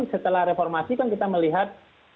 setelah reformasi kan kita melihat